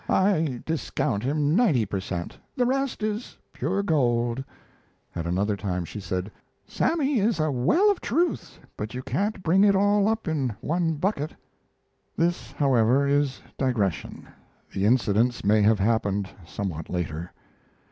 I discount him ninety per cent. The rest is pure gold." At another time she said: "Sammy is a well of truth, but you can't bring it all up in one bucket." This, however, is digression; the incidents may have happened somewhat later.